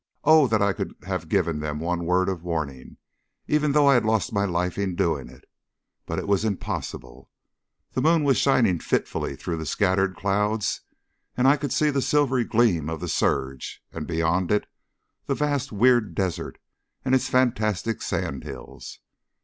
Oh! that I could have given them one word of warning, even though I had lost my life in doing it! but it was impossible. The moon was shining fitfully through the scattered clouds, and I could see the silvery gleam of the surge, and beyond it the vast weird desert with its fantastic sand hills.